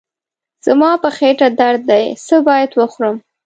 زما په خېټه درد دی، څه باید وخورم؟